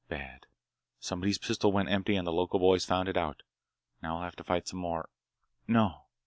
"Bad! Somebody's pistol went empty and the local boys found it out. Now we'll have to fight some more—no."